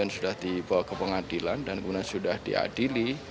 sudah dibawa ke pengadilan dan kemudian sudah diadili